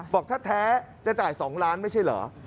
บอกถ้าแท้จะจ่าย๒ล้านไม่ใช่เหรอ